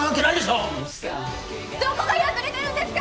うっせーなどこが破れてるんですか！